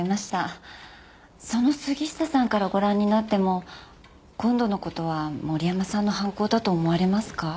その杉下さんからご覧になっても今度の事は森山さんの犯行だと思われますか？